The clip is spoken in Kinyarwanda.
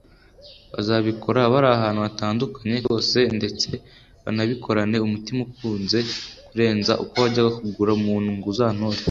Bazabikora bari ahantu hatandukanye ku isi hose ndetse banabikorane umutima ukunze kurenza uko wajya kugura umuntu ngo uzantore